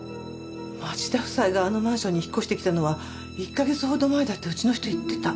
町田夫妻があのマンションに引っ越してきたのは１カ月ほど前だってうちの人言ってた。